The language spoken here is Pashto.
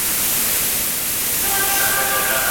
د افغانستان د ښکلاګانو لیدل د هر وګړي لپاره د زړه خوښي ده.